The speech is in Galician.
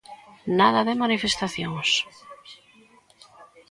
Nada de manifestacións.